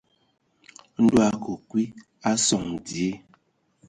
Ndɔ a akə kwi a sɔŋ dzie.